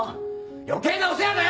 余計なお世話だよ！